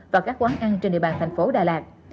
và các quán ăn trên địa bàn thành phố đà lạt